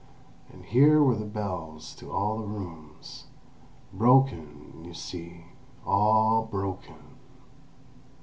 And here were the bells to all the rooms. Broken, you see—all broken!"